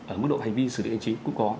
ở mức độ hành vi xử lý hành chính cũng có